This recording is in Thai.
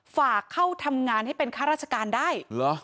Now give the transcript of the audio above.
ฝากเข้าทำงานให้เป็นค่ารัชการได้